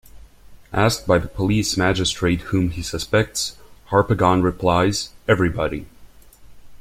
Asked by the police magistrate whom he suspects, Harpagon replies, Everybody!